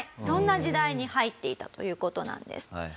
そんな時代に入っていたという事なんです。